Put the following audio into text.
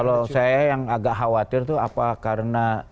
kalau saya yang agak khawatir itu apa karena